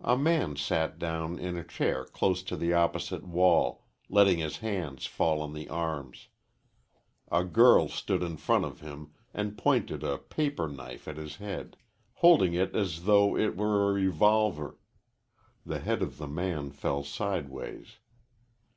A man sat down in a chair close to the opposite wall, letting his hands fall on the arms. A girl stood in front of him and pointed a paper knife at his head, holding it as though it were a revolver. The head of the man fell sideways.